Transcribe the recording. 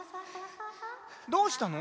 どうしたの？